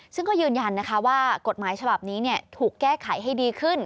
ซึ่งก็ยืนยันนะคะว่ากฎหมายฉบับนี้ถูกแก้ไขให้ดีขึ้น